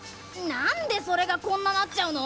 なんでそれがこんななっちゃうの？